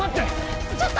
ちょっと！